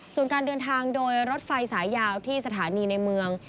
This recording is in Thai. ส่วนการเดินทางโดยรถไฟสายยาวที่สถานีในเมือง